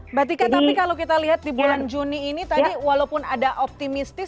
mbak tika tapi kalau kita lihat di bulan juni ini tadi walaupun ada optimistis